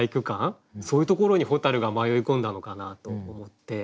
そういうところに蛍が迷い込んだのかなと思って。